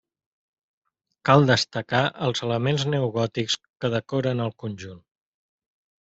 Cal destacar els elements neogòtics que decoren el conjunt.